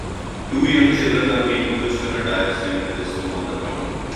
Two young children are being pushed on a tire swing with snow on the ground.